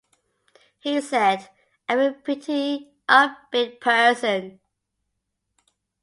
He said, I'm a pretty upbeat person.